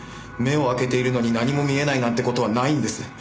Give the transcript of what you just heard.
目を開けているのに何も見えないなんて事はないんです。